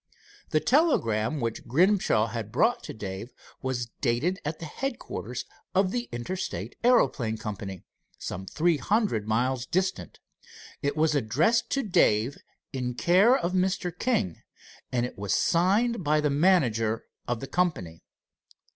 The telegram which Grimshaw had brought to Dave was dated at the headquarters of the Interstate Aeroplane Co., some three hundred miles distant. It was addressed to Dave in care of Mr. King, and it was signed by the manager of the company.